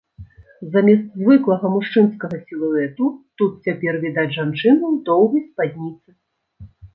Замест звыклага мужчынскага сілуэту тут цяпер відаць жанчыну ў доўгай спадніцы.